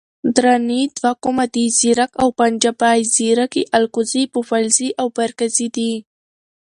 دراني دوه قومه دي، ځیرک او پنجپای. ځیرک یي الکوزي، پوپلزي او بارکزي دی